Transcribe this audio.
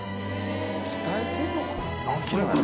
「鍛えてるのかな？」